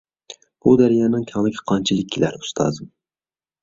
بۇ دەريانىڭ كەڭلىكى قانچىلىك كېلەر، ئۇستازىم؟